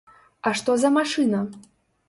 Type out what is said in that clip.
А што за машына?